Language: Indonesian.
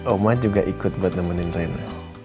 oma juga ikut buat nemenin rena